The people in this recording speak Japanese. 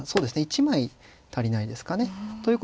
一枚足りないですかね。という